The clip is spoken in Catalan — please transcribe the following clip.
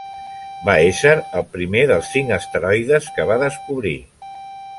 Va ésser el primer dels cinc asteroides que va descobrir.